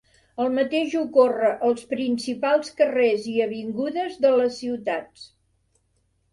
El mateix ocorre als principals carrers i avingudes de les ciutats.